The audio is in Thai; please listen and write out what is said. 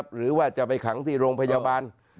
หรือว่าจะไปขังที่โรงพยาบาล